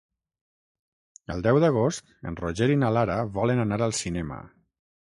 El deu d'agost en Roger i na Lara volen anar al cinema.